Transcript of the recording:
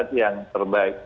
itu yang terbaik